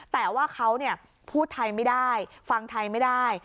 แต่ว่าเขาพูดไทยไม่ได้ฟังไทยไม่ได้